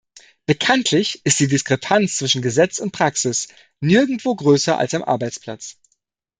Bekanntlich ist die Diskrepanz zwischen Gesetz und Praxis nirgendwo größer als am Arbeitsplatz.